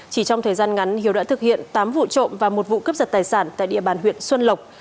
chỉ trong thời gian ngắn hiếu đã thực hiện tám vụ trộm và một vụ cướp giật tài sản tại địa bàn huyện xuân lộc